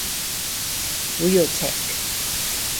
Realtek